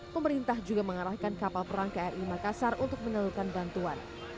pemerintah juga mengarahkan kapal perang kri makassar untuk menyalurkan bantuan